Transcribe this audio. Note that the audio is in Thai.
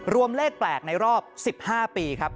เลขแปลกในรอบ๑๕ปีครับ